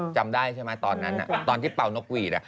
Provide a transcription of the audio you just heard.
จำได้ใช่ไหมตอนนั้นตอนที่เป่านกหวีด